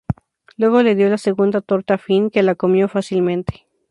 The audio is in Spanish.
Luego le dio la segunda torta a Finn, que la comió fácilmente.